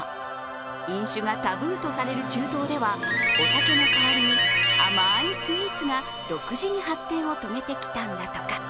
飲酒がタブーとされる中東ではお酒の代わりに甘いスイーツが独自に発展を遂げてきたんだとか。